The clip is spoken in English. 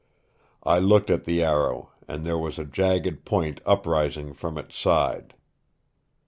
I looked at the arrow and there was a jagged point uprising from its side.